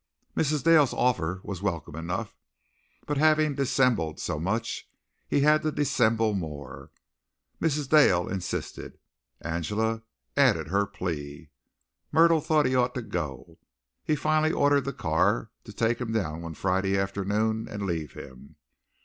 Mrs. Dale's offer was welcome enough, but having dissembled so much he had to dissemble more. Mrs. Dale insisted. Angela added her plea. Myrtle thought he ought to go. He finally ordered the car to take him down one Friday afternoon and leave him.